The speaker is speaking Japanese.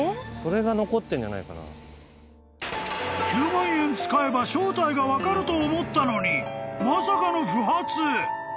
［９万円使えば正体が分かると思ったのにまさかの不発］